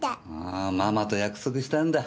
あママと約束したんだ。